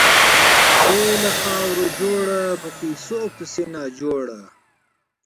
اې له خاورو جوړه، په پيسو پسې ناجوړه !